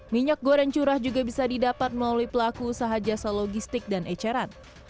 minyak goreng curah juga bisa didapat melalui pelaku usaha jasa logistik dan eceran